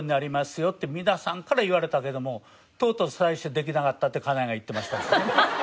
よって皆さんから言われたけどもとうとう最終できなかったって家内が言ってました。